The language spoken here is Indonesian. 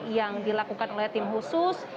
yang dilakukan oleh tim khusus